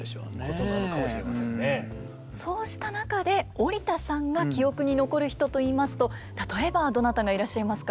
そうした中で織田さんが記憶に残る人といいますと例えばどなたがいらっしゃいますか。